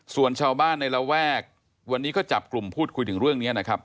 ส่วนชาวบ้านในระแวกวันนี้ก็จับกลุ่มพูดคุยถึงเรื่องนี้นะครับ